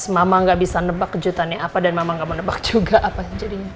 mama enggak bisa nebak kejutannya apa dan mama enggak mau nebak juga apa jadinya